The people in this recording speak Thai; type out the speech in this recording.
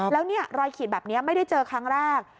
แล้วเนี่ยรอยขีดแบบนี้ไม่ได้เจอครั้งแรก